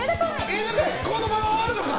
犬飼、このまま終わるのか？